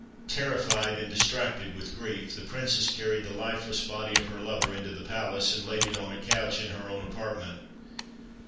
Terrified and distracted with grief, the Princess carried the lifeless body of her lover into the palace and laid it on a couch in her own apartment.